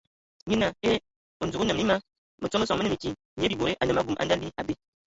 Nye naa : Ee ! Ndzug o nǝman ma! Mǝtsɔ mə sɔ mə nǝ ma eki, Nyiabibode a nǝ ma abum a nda ali abe !